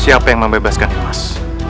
siapa yang membebaskan imas